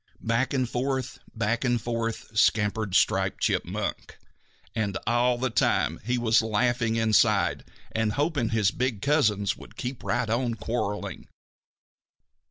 Back and forth, back and forth, scampered Striped Chipmunk, and all the time he was laughing inside and hoping his big cousins would keep right on quarreling.